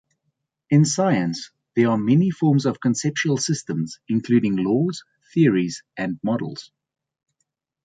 In science, there are many forms of conceptual systems including laws, theories, and models.